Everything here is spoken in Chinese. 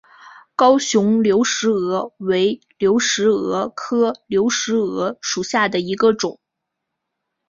高雄流石蛾为流石蛾科流石蛾属下的一个种。